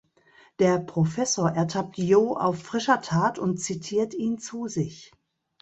Der Professor ertappt Jo auf frischer Tat und zitiert ihn zu sich.